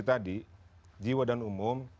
tadi jiwa dan umum